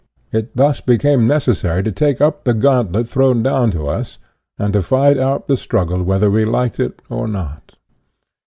It thus became nec essary to take up the gauntlet thrown down to us, and to fight out the struggle whether we liked it or not.